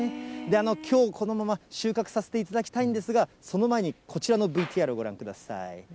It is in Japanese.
きょう、このまま収穫させていただきたいんですが、その前にこちらのＶＴＲをご覧ください。